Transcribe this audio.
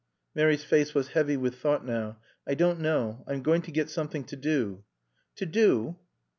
(Mary's face was heavy with thought now.) "I don't know. I'm going to get something to do." "To _do?